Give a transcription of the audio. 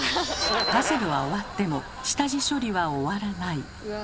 パズルは終わっても下地処理は終わらない。